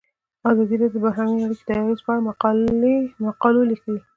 ازادي راډیو د بهرنۍ اړیکې د اغیزو په اړه مقالو لیکلي.